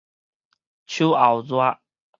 秋後熱